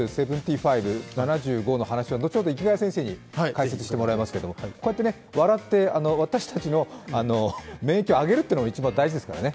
ＢＡ．２．７５の話は後ほど池谷先生に解説していただきますけれどもこうやって笑って、私たちの免疫を上げるというのが一番大事ですからね。